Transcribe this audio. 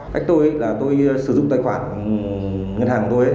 cách tôi là tôi sử dụng tài khoản ngân hàng của tôi